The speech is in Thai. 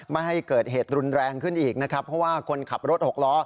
ไม่ให้เกิดเหตุรุนแรงขึ้นอีกนะครับเพราะว่าคนขับรถหกล้อ